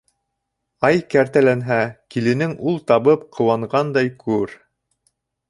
Ай кәртәләнһә, киленең ул табып ҡыуанғандай күр